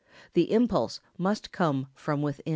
The impulse must come from within.